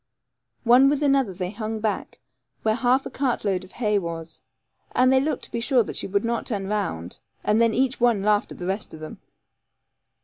One with another they hung back, where half a cart load of hay was, and they looked to be sure that she would not turn round; and then each one laughed at the rest of them.